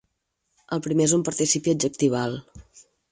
El primer és un participi adjectival.